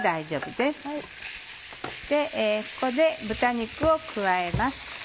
そしてここで豚肉を加えます。